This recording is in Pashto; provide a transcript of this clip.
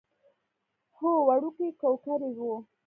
هو وړوکی کوکری و.